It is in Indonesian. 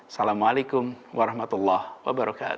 assalamualaikum warahmatullah wabarakatuh